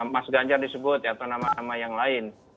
mas ganjar disebut atau nama nama yang lain